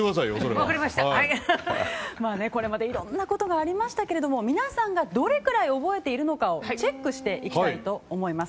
これまでいろんなことがありましたが皆さんがどれくらい覚えているのかチェックしていきたいと思います。